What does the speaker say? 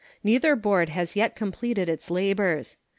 Neither board has yet completed its labors.